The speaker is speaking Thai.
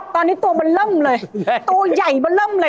ตอนนี้ตัวมันเริ่มเลยตัวใหญ่มันเริ่มเลย